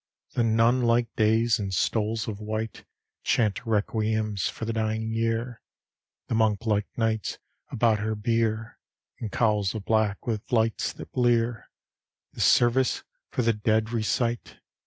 The nun like days, in stoles of white, Chant requiems for the dying Year: The monk like nights about her bier, In cowls of black, with lights that blear, The service for the dead recite.